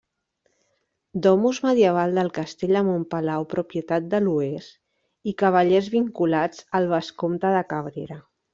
Domus medieval del castell de Montpalau propietat d'aloers i cavallers vinculats al Vescomte de Cabrera.